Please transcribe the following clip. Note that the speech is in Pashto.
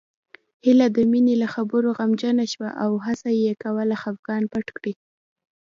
هيله د مينې له خبرو غمجنه شوه او هڅه يې کوله خپګان پټ کړي